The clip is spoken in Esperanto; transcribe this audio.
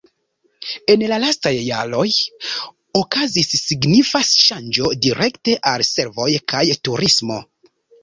En la lastaj jaroj okazis signifa ŝanĝo direkte al servoj kaj turismo.